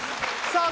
さあ